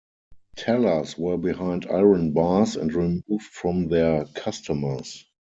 Tellers were behind iron bars and removed from their customers.